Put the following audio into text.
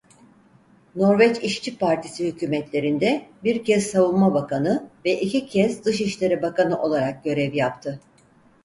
Norveç İşçi Partisi hükûmetlerinde bir kez Savunma Bakanı ve iki kez Dışişleri Bakanı olarak görev yaptı.